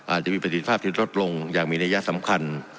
อาจจะมีประสิทธิภาพที่ลดลงอย่างมีนัยสำคัญ